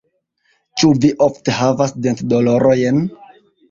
Ĉu vi ofte havas dentdolorojn?